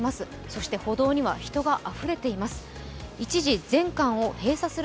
そして歩道には人があふれています。